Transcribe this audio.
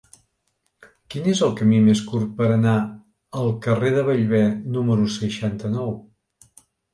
Quin és el camí més curt per anar al carrer de Bellver número seixanta-nou?